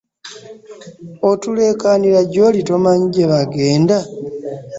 Otuleekaanira gy'oli tomanyi gye bagenda.